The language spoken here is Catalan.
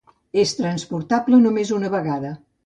És transportable només una vegada.